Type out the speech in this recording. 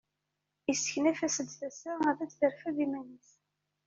Yesseknaf-as-d tasa ad d-terfed iman-is.